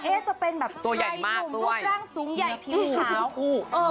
เอ๊ะจะเป็นแบบใครหลุมรูปร่างสูงใหญ่ผิวขาว